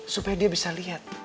supaya dia bisa lihat